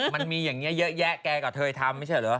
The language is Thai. มันมีอย่างนี้เยอะแยะแกก็เคยทำไม่ใช่เหรอ